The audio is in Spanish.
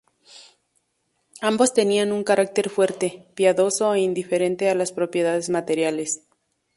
Ambos tenían un carácter fuerte, piadoso e indiferente a las propiedades materiales.